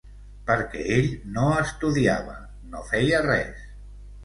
Perquè ell no estudiava, no feia res.